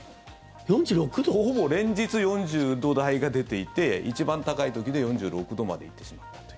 ほぼ連日４０度台が出ていて一番高い時で４６度まで行ってしまったと。